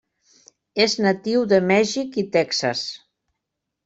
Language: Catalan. És natiu de Mèxic i Texas.